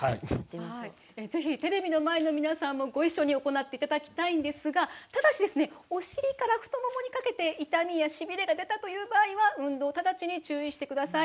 ぜひテレビの前の皆さんもご一緒に行っていただきたいんですがただし、お尻から太ももにかけて痛みやしびれが出たという場合は運動を直ちに中止してください。